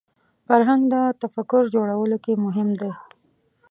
فرهنګ د تفکر جوړولو کې مهم دی